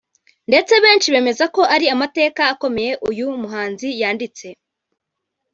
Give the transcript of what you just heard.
ndetse benshi bemeza ko ari amateka akomeye uyu muhanzi yanditse